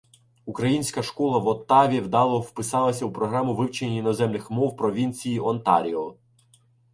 Українська школа в Оттаві вдало вписалася у програму вивчення іноземних мов провінції Онтаріо